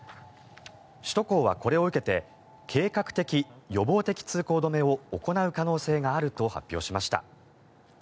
首都高はこれを受けて計画的・予防的通行止めを行う可能性があると発表しました。